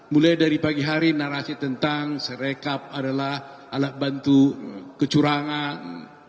mulai dari pagi hari narasi tentang serekap adalah alat bantu kecurangan